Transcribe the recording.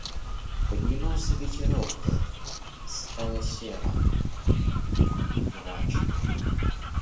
Поднимался ветерок, и стало серо, мрачно.